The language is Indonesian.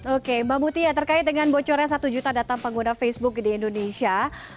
oke mbak muti ya terkait dengan bocoran satu juta data pengguna facebook di indonesia